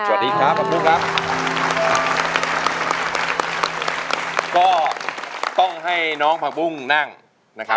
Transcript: ขอต้อนรับครอบครัวของน้องผักบุ้งด้วยนะคะ